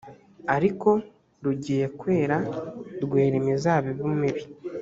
ariko rugiye kwera rwera imizabibu mibi